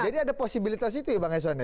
jadi ada posibilitas itu ya bang eswane